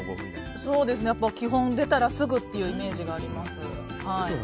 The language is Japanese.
基本出たらすぐっていうイメージがあります。